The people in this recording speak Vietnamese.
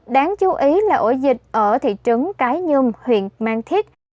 đáng chú ý là ổ dịch ở thị trấn cái nhung huyện mang thít